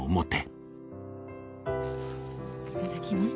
いただきます。